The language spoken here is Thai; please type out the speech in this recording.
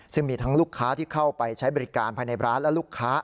ซึ่งมีทั้งลูกค้าที่เข้าไปใช้บริการภายในร้านและลูกค้า